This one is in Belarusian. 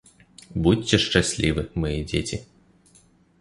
Будзьце шчаслівы, мае дзеці.